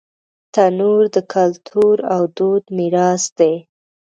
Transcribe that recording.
تنور د کلتور او دود میراث دی